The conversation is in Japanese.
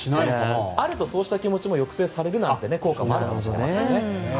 これがあるとそういう気持ちが抑制される効果もあるかもしれませんね。